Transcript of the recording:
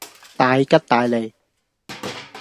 大吉大利